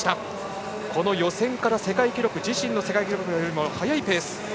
この予選から自身の世界記録より速いペース。